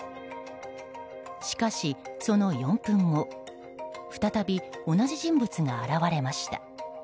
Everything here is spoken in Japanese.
しかし、その４分後再び同じ人物が現れました。